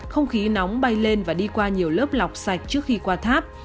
không khí nóng bay lên và đi qua nhiều lớp lọc sạch trước khi qua tháp